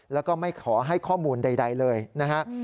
แล้วก็ไม่ขอให้ข้อมูลใดเลยนะฮะ